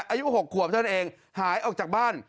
อายุ๖ขวบเท่านั้นเองหายออกจากบ้าน